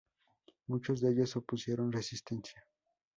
Muchos de ellos opusieron resistencia.